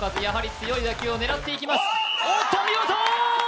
強い打球を狙っていきます